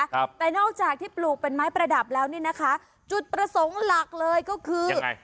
ครับแต่นอกจากที่ปลูกเป็นไม้ประดับแล้วนี่นะคะจุดประสงค์หลักเลยก็คือไง